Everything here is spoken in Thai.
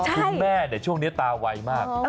คือแม่เดี๋ยวช่วงนี้ตาวัยมาก